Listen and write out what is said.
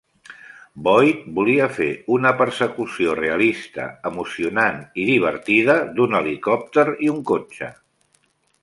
Boyd volia fer una persecució realista, emocionant i divertida d'un helicòpter i un cotxe.